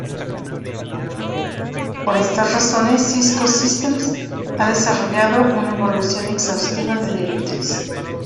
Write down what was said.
Por estas razones, Cisco Systems ha desarrollado una evaluación exhaustiva de directriz.